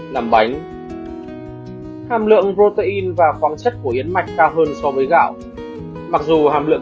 làm bánh hàm lượng protein và phong chất của yến mạch cao hơn so với gạo mặc dù hàm lượng